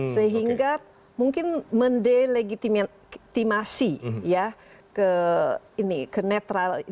sehingga mungkin mendelegitimasi ya ke ini ke netral